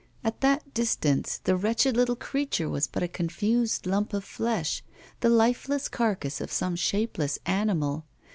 At that distance the wretched little creature was but a confused lump of flesh, the lifeless carcase of some shapeless animal.